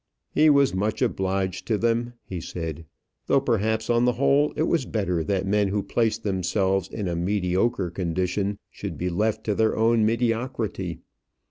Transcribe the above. "He was much obliged to them," he said; "though perhaps, on the whole, it was better that men who placed themselves in a mediocre condition should be left to their mediocrity.